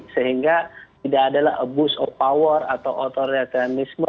sehingga tidak adalah abuse of power atau otoritarianisme